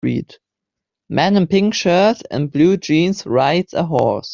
Man in pink shirt and blue jeans rides a horse.